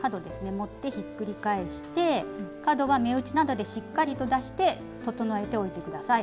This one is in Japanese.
持ってひっくり返して角は目打ちなどでしっかりと出して整えておいてください。